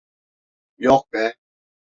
Yok be.